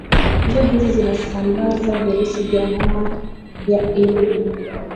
njia hizi zinasambaza virusi vya homa ya ini